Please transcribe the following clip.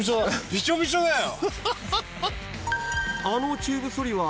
びちょびちょだよ！